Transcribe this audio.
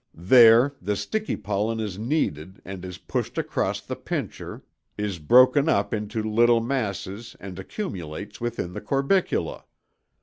There the sticky pollen is kneaded and is pushed across the pincher (à traverse la pince), is broken up into little masses and accumulates within the corbicula.